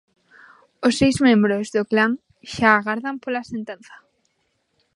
Os seis membros do clan xa agardan pola sentenza.